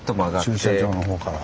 駐車場のほうから。